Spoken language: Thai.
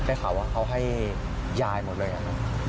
ได้ข่าวว่าเขาให้ยายหมดเลยหรือยังครับ